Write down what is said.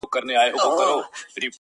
نن دي د دښتونو پر لمنه رمې ولیدې!.